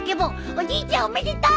おじいちゃんおめでとう！